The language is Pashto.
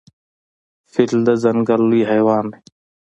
فیل د ځنګل لوی حیوان دی.